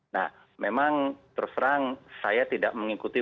nah memang terus terang saya tidak mengikuti